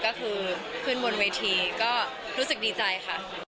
ก็คือขึ้นบนเวทีก็รู้สึกดีใจค่ะ